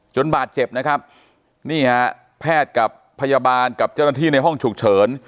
บาดเจ็บนะครับนี่ฮะแพทย์กับพยาบาลกับเจ้าหน้าที่ในห้องฉุกเฉิน